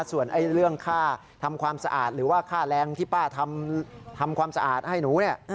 ส่วนเรื่องค่าทำความสะอาดหรือว่าค่าแรงที่ป้าทำความสะอาดให้หนูเนี่ย